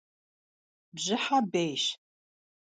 Bjıhe bêyş.